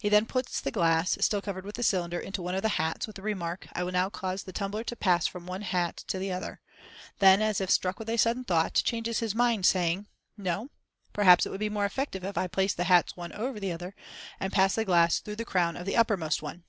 He then puts the glass, still covered with the cylinder, into one of the hats, with the remark, "I will now cause the tumbler to pass from one hat to the other," then, as if struck with a sudden thought, changes his mind, saying, "No, perhaps it would be more effective if I place the hats one over the other, and pass the glass through the crown of the uppermost one."